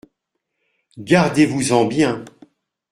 Gardez-vous-en bien !…